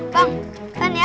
bang tahan ya